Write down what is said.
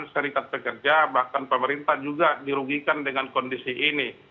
dan serikat pekerja bahkan pemerintah juga dirugikan dengan kondisi ini